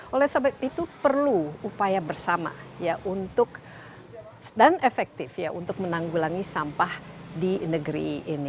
oleh sebab itu perlu upaya bersama dan efektif untuk menanggulangi sampah di negeri ini